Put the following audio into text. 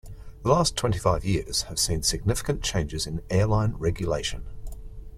The last twenty-five years have seen significant changes in airline regulation.